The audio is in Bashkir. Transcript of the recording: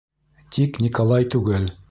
Тик Николай түгел.